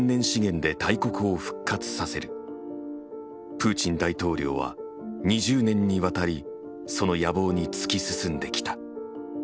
プーチン大統領は２０年にわたりその野望に突き進んできた。